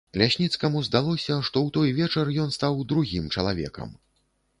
Лясніцкаму здалося, што ў той вечар ён стаў другім чалавекам.